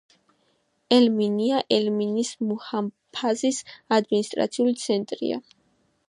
ელ-მინია ელ-მინიის მუჰაფაზის ადმინისტრაციული ცენტრია.